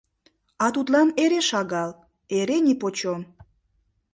А тудлан эре шагал, эре нипочем.